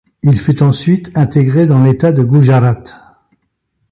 Il fut ensuite intégré dans l'État du Gujarat.